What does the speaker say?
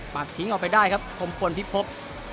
ปากทิ้งออกไปได้ครับขมพลพิพพพ